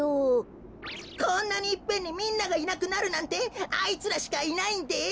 こんなにいっぺんにみんながいなくなるなんてあいつらしかいないんです。